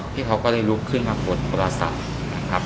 พี่เขาก็เลยลุกขึ้นมากดโทรศัพท์นะครับ